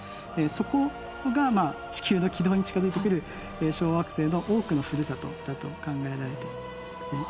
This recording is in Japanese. そこがまあ地球の軌道に近づいてくる小惑星の多くのふるさとだと考えられています。